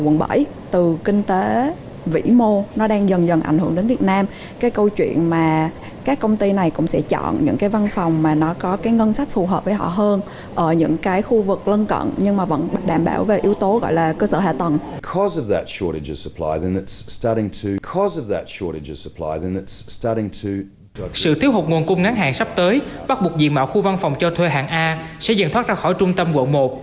sự thiếu hụt nguồn cung ngắn hàng sắp tới bắt buộc diện mạo khu văn phòng cho thuê hạng a sẽ dần thoát ra khỏi trung tâm quận một